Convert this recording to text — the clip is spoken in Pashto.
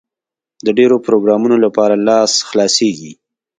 د ډېرو پروګرامونو لپاره لاس خلاصېږي.